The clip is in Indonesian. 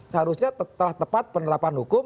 seharusnya telah tepat penerapan hukum